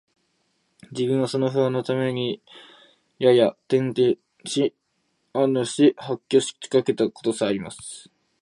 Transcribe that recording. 自分はその不安のために夜々、転輾し、呻吟し、発狂しかけた事さえあります